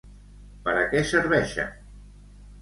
Per a què serveixen?